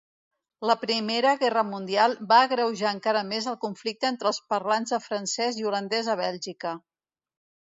La I Guerra Mundial va agreujar encara més el conflicte entre els parlants de francès i holandès a Bèlgica.